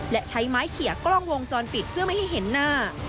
และใช้ไม้เขียกล้องวงจรปิดเพื่อไม่ให้เห็นหน้า